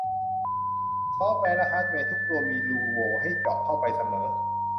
ซอฟต์แวร์และฮาร์ดแวร์ทุกตัวมีรูโหว่ให้เจาะเข้าไปเสมอ